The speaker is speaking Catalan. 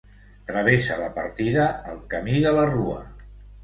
Travessa la partida el Camí de la Rua.